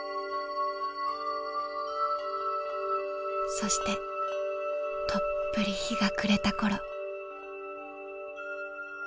そしてとっぷり日が暮れた頃。